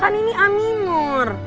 kan ini a minor